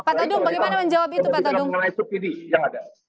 pak todong bagaimana menjawab itu pak todong